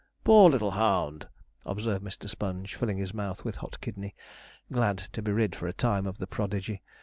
'Poor little hound,' observed Mr. Sponge, filling his mouth with hot kidney, glad to be rid for a time of the prodigy.